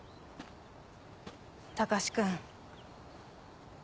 隆君。